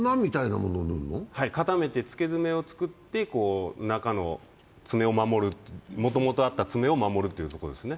そ固めてつけ爪を作って、中のもともとあった爪を守るというものですね。